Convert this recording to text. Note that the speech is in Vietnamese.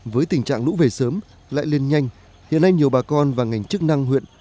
với tình trạng lũ về sớm lại lên nhanh hiện nay nhiều bà con và ngành chức năng huyện